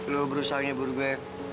lo berusaha nyebur gue